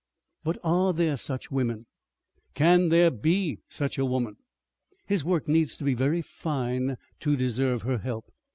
"But are there such women? Can there be such a woman?" "His work needs to be very fine to deserve her help.